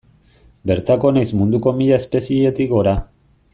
Bertako nahiz munduko mila espezietik gora.